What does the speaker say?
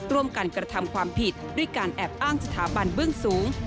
ร่วมกันกระทำความผิดด้วยการแอบอ้างสถาบันเบื้องสูง